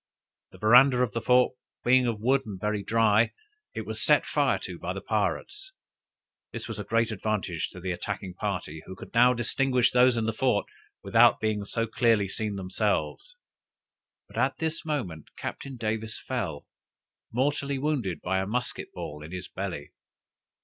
The veranda of the fort being of wood and very dry, it was set fire to by the pirates. This was a great advantage to the attacking party, who could now distinguish those in the fort without their being so clearly seen themselves; but at this moment Captain Davis fell, mortally wounded by a musket ball in his belly.